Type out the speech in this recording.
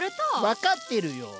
分かってるよ。